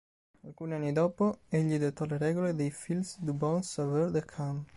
Alcuni anni dopo egli dettò le regole dei "Filles du Bon-Sauveur de Caen".